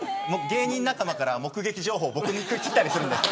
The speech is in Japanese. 芸人仲間から目撃情報僕にきたりするんです。